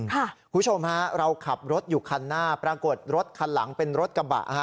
คุณผู้ชมฮะเราขับรถอยู่คันหน้าปรากฏรถคันหลังเป็นรถกระบะฮะ